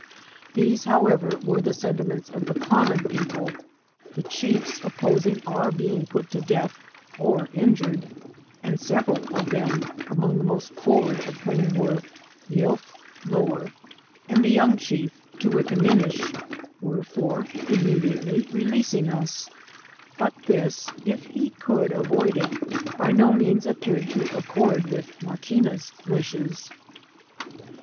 These, however, were the senti ments of the common people, the chiefs opposing cor being put to death, or injured, and several of them, among the most forward of whom were Yaelthlower and the young chief, Toowinnakin nish, were for immediately releasing us ; but this, if he could avoid it, by no means appeared to ac cord with Maquina's wishes.